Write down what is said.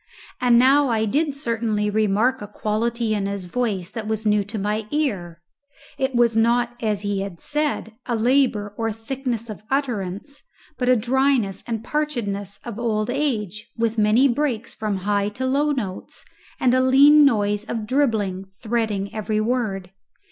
And now I did certainly remark a quality in his voice that was new to my ear; it was not, as he had said, a labour or thickness of utterance, but a dryness and parchedness of old age, with many breaks from high to low notes, and a lean noise of dribbling threading every word.